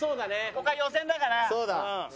ここは予選だから。